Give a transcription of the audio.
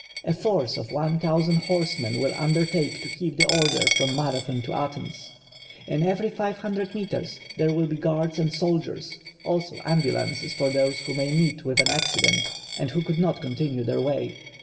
A force of one thousand horsemen will undertake to keep the order from Marathon to Athens. In every 500 meters there will be guards and soldiers, also ambulances for those who may meet with an accident and who could not continue their way.